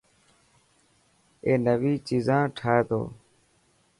اي نوي چيزان ٺاهي تو.